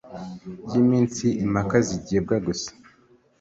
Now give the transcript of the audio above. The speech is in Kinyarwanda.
y iminsi impaka zigibwa gusa